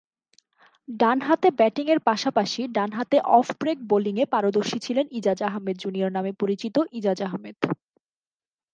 ডানহাতে ব্যাটিংয়ের পাশাপাশি ডানহাতে অফ ব্রেক বোলিংয়ে পারদর্শী ছিলেন ইজাজ আহমেদ জুনিয়র নামে পরিচিত ইজাজ আহমেদ।